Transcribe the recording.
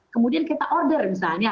kemudian kita order misalnya